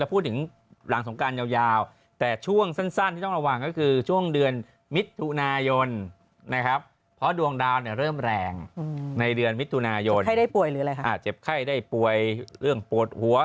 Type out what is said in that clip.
เพราะว่าปีนึงมันมีครั้งเดียวนะ